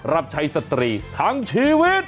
รับใช้สตรีทั้งชีวิต